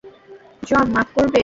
জন, মাফ করবে।